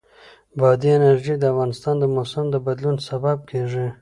بادي انرژي د افغانستان د موسم د بدلون سبب کېږي.